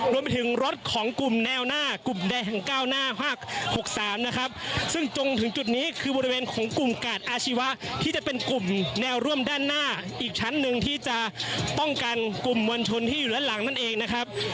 รวมไปถึงรถของกลุ่มแนวหน้ากลุ่มแดงแห่ง๙หน้า๕๖๓นะครับซึ่งจงถึงจุดนี้คือบริเวณของกลุ่มกาดอาชีวะที่จะเป็นกลุ่มแนวร่วมด้านหน้าอีกชั้นหนึ่งที่จะป้องกันกลุ่มมวลชนที่อยู่ด้านหลังนั่นเองนะครับ